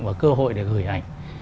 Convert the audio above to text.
và cơ hội để gửi ảnh